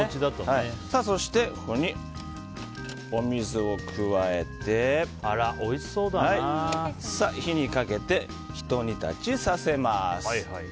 そして、ここにお水を加えて火にかけて、ひと煮立ちさせます。